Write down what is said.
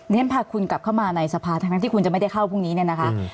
ฉันพาคุณกลับเข้ามาในสภาทั้งนั้นที่คุณจะไม่ได้เข้าพรุ่งนี้เนี่ยนะคะ